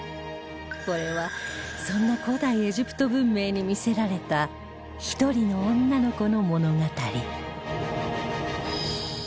これはそんな古代エジプト文明に魅せられた一人の女の子の物語